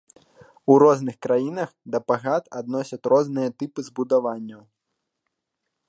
У розных краінах да пагад адносяць розныя тыпы збудаванняў.